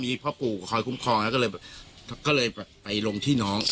มีพ่อปู่คอยคุ้มครองก็เลยไปลงที่น้อง